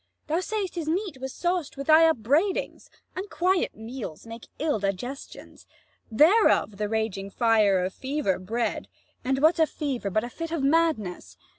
Thou say'st his meat was sauced with thy upbraidings: Unquiet meals make ill digestions; Thereof the raging fire of fever bred; 75 And what's a fever but a fit of madness?